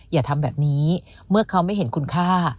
อย่าทำแบบนี้เมื่อเขาไม่เห็นคุณค่า